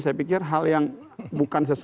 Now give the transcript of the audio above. saya pikir hal yang bukan sesuatu